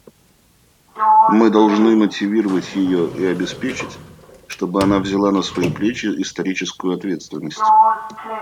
Мы должны мотивировать ее и обеспечить, чтобы она взяла на свои плечи историческую ответственность.